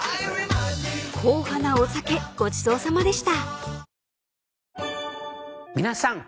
［硬派なお酒ごちそうさまでした］